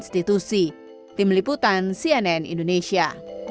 tim liputan cnn indonesia